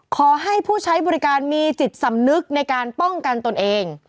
ขอให้ผู้ใช้บริการมีจิตสำนึกในการป้องกันตนเอง